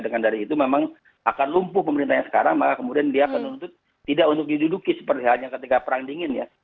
dengan dari itu memang akan lumpuh pemerintahnya sekarang maka kemudian dia akan menuntut tidak untuk diduduki seperti halnya ketika perang dingin ya